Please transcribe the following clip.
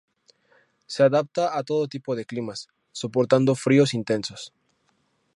Se adapta a todo tipo de climas, soportando fríos intensos.